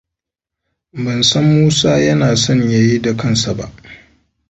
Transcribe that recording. Ban san Musa yana son ya yi da kansa ba.